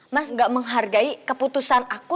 mas gak menghargai keputusan aku